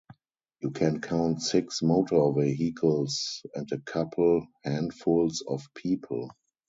You can count six motor vehicles and a couple handfuls of people.